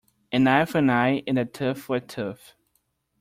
An eye for an eye and a tooth for a tooth.